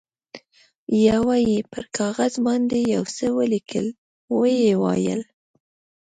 یوه یې پر کاغذ باندې یو څه ولیکل، ویې ویل.